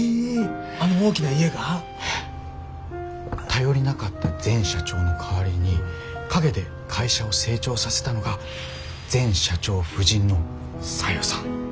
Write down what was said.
頼りなかった前社長の代わりに陰で会社を成長させたのが前社長夫人の小夜さん。